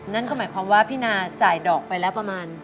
นั่นก็หมายความว่าพี่นาจ่ายดอกไปแล้วประมาณ